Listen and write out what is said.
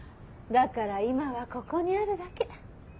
だから今はここにあるだけ。